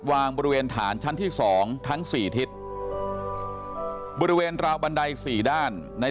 วางบริเวณฐานชั้นที่สองทั้งสี่ทิศบริเวณราวบันไดสี่ด้านใน